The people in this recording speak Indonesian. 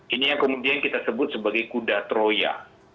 ini yang kemudian kita sebut sebagai kuda troya